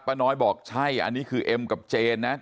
น้อยบอกใช่อันนี้คือเอ็มกับเจนนะ